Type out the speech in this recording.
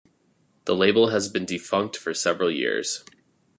The label has been defunct for several years.